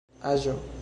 aĵo